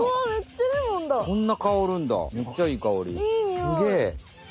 すげえ！